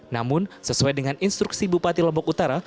namun sesuai dengan instruksi bupati lombok utara